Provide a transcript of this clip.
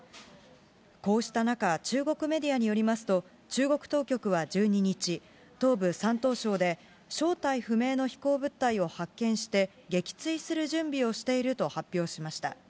こうした中、中国メディアによりますと、中国当局は１２日、東部、山東省で、正体不明の飛行物体を発見して、撃墜する準備をしていると発表しました。